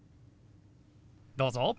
どうぞ。